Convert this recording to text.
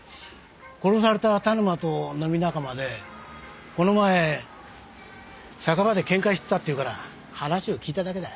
殺された田沼と飲み仲間でこの前酒場で喧嘩してたっていうから話を聞いただけだ。